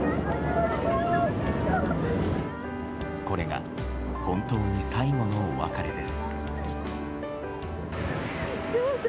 これが本当に最後のお別れです。